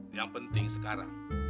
yang penting sekarang